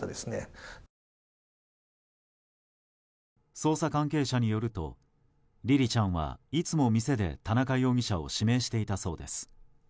捜査関係者によるとりりちゃんは、いつも店で田中容疑者を指名していたそうです。